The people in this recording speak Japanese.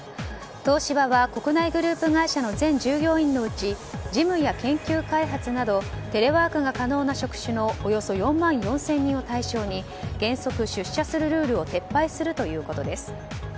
東芝は国内グループ会社の全従業員のうち事務や研究開発などテレワークが可能な職種のおよそ４万４０００人を対象に原則出社するルールを撤廃するということです。